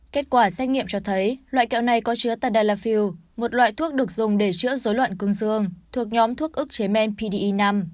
kết quả xét nghiệm cho thấy loại kẹo này có chứa tedallafield một loại thuốc được dùng để chữa dối loạn cương dương thuộc nhóm thuốc ức chế men pdi năm